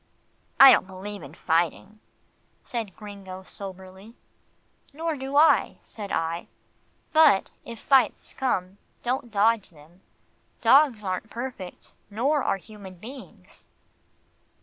"I don't believe in fighting," said Gringo soberly. "Nor do I," said I, "but if fights come, don't dodge them. Dogs aren't perfect, nor are human beings."